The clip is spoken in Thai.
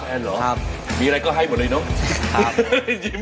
เหรอมีอะไรก็ให้หมดเลยเนอะ